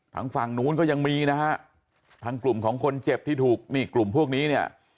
ทางฝั่งนู้นก็ยังมีนะฮะทางกลุ่มของคนเจ็บที่ถูกนี่กลุ่มพวกนี้เนี่ย